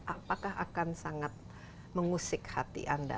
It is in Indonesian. apakah akan sangat mengusik hati anda